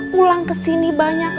pulang ke sini banyak